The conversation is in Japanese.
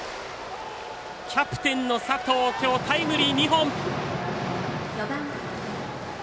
キャプテンの佐藤きょうタイムリー２本。